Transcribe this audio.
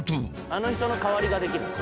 「あの人の代わりができるのか」